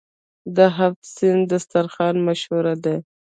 د هفت سین دسترخان مشهور دی.